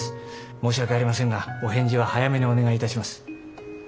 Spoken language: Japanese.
申し訳ありませんがお返事は早めにお願いいたします。